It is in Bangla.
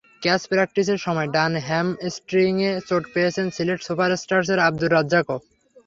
ক্যাচ প্র্যাকটিসের সময় ডান হ্যামস্ট্রিংয়ে চোট পেয়েছেন সিলেট সুপার স্টারসের আবদুর রাজ্জাকও।